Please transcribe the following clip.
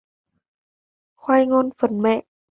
Khoai ngon phần mẹ "